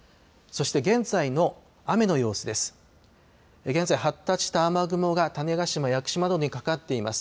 そして現在の雨の様子です。